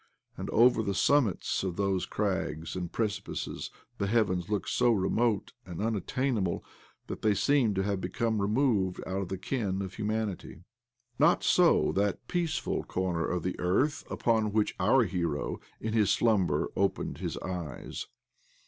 And over the summits of those crags and precipices the heavens look so 74 OBLOMOV remote and unattainable that they seem to have become removed out of the ken of humanity. Not so that peaceful corner of the earth upon which our hero, in his slumber, opened his eyes.